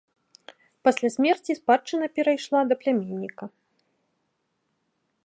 Пасля смерці спадчына перайшла да пляменніка.